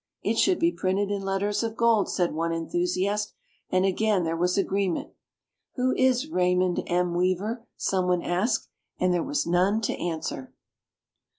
"It should be printed in letters of gold," said one enthusiast, and again there was agreement. "Who Is Raymond M. Weaver?" someone asked, and there was none to answer.